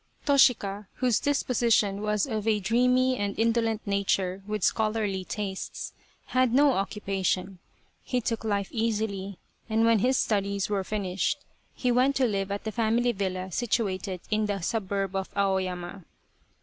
Toshika, whose disposition was of a dreamy and indolent nature with scholarly tastes, had no occupa tion. He took life easily, and when his studies were finished, he went to live at the family villa situated in the suburb of Aoyama.